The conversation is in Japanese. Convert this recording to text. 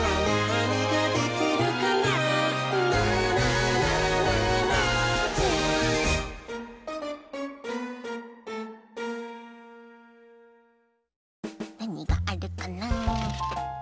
なにがあるかな？